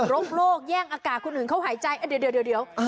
โรคโลกแย่งอากาศคนอื่นเขาหายใจเดี๋ยว